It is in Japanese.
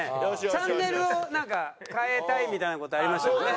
「チャンネルを替えたい」みたいな事ありましたよね。